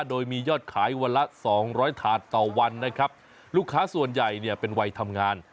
โดยมียอดขายวันละสองร้อยถาดต่อวันนะครับลูกค้าส่วนใหญ่เนี่ยเป็นวัยทำงาน